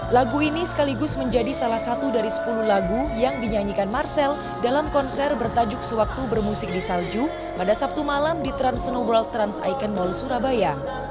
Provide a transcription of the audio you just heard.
lagu ini sekaligus menjadi salah satu dari sepuluh lagu yang dinyanyikan marcel dalam konser bertajuk sewaktu bermusik di salju pada sabtu malam di trans snow world trans icon mall surabaya